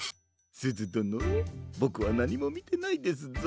すずどのボクはなにもみてないですぞ。